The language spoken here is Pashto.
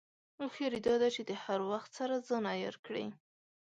هوښیاري دا ده چې د هر وخت سره ځان عیار کړې.